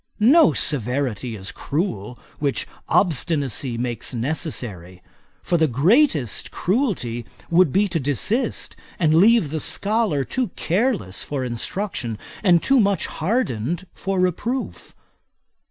No severity is cruel which obstinacy makes necessary; for the greatest cruelty would be to desist, and leave the scholar too careless for instruction, and too much hardened for reproof.